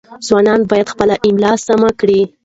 ځوانان باید خپله املاء سمه کړي.